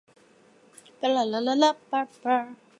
看着我